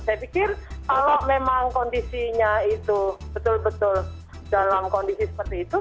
saya pikir kalau memang kondisinya itu betul betul dalam kondisi seperti itu